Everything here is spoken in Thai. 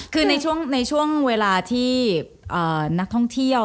คือในช่วงเวลาที่นักท่องเที่ยว